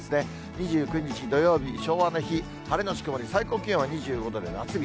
２９日土曜日昭和の日、晴れ後曇り、最高気温は２５度で夏日。